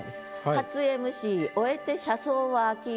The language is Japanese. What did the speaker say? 「初ＭＣ終えて車窓は秋夕焼」。